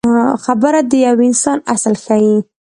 خبره د یو انسان اصل ښيي.